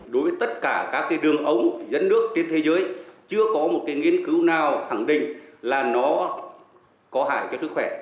đối với tất cả các đường ống dẫn nước trên thế giới chưa có một nghiên cứu nào khẳng định là nó có hại cho sức khỏe